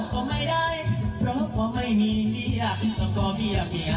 เพราะไม่ได้เพราะเพราะไม่มีเบี้ย